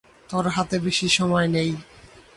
তোর হাতে বেশি সময় নেই।